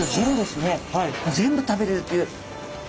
全部食べれるっていう。